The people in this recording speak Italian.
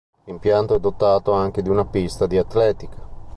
L'impianto è dotato anche di una pista di atletica.